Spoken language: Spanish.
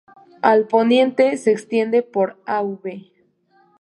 Al poniente, se extiende por Av.